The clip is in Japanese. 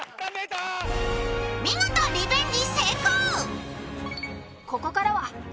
見事リベンジ成功。